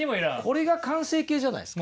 これが完成形じゃないすか。